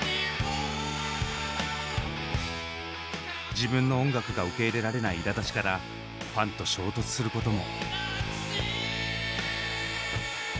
自分の音楽が受け入れられないいらだちからファンと衝突することも。